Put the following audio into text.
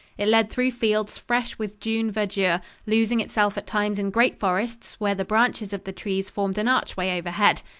It led through fields fresh with June verdure, losing itself at times in great forests, where the branches of the trees formed an archway overhead.